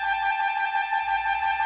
kau akan memiliki jalan yang baik